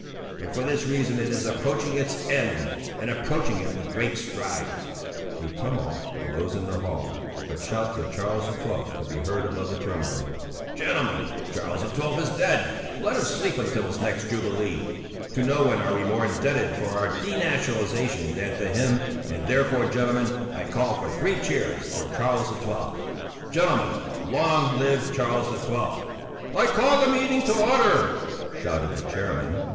And for this reason it is approaching its end, and approaching it with giant strides." A tumult arose in the hall, but shouts of Charles XII could be heard above the turmoil. "Gentlemen, Charles XII is dead; let him sleep until his next jubilee. To no one are we more indebted for our denationalisation than to him, and therefore, gentlemen, I call for three cheers for Charles XII! Gentlemen, long live Charles XII!" "I call the meeting to order!" shouted the chairman.